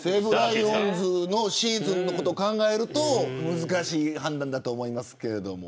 ライオンズのシーズンのことを考えると難しい判断だと思います。